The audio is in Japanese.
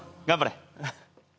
頑張れ。